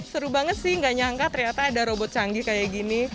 seru banget sih nggak nyangka ternyata ada robot canggih kayak gini